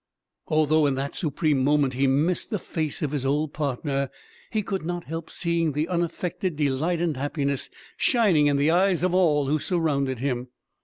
Although in that supreme moment he missed the face of his old partner, he could not help seeing the unaffected delight and happiness shining in the eyes of all who surrounded him.